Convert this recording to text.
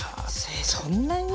そんなに？